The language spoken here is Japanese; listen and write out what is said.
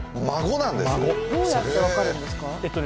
どうやって分かるんですか？